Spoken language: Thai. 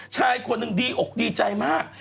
ชายคนหนึ่งดีอกดีใจมาก